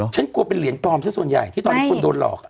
ฉันกลัวเป็นเหรียญปลอมซะส่วนใหญ่ที่ตอนนี้คนโดนหลอก